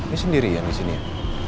dia sendiri yang disini ya